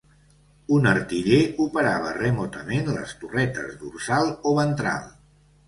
Un artiller operava remotament les torretes dorsal o ventral.